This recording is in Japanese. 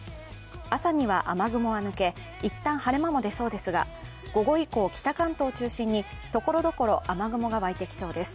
朝には雨雲は抜け、一旦晴れ間も出そうですが午後以降、北関東を中心にところどころ雨雲が湧いてきそうです。